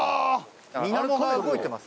水面が動いてます。